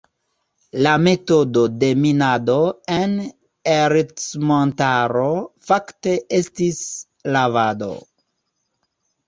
La metodo de minado en Ercmontaro fakte estis "lavado".